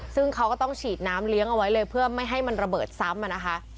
ซึ่งเขาก็ต้องฉีดน้ำเลี้ยงเอาไว้เลยเพื่อไม่ให้มันระเบิดซ้ำอะนะคะ